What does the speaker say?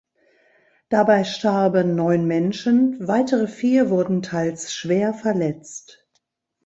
Dabei starben neun Menschen, weitere vier wurden teils schwer verletzt.